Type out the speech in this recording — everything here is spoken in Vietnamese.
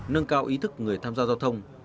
nâng cao ý thức người tham gia giao thông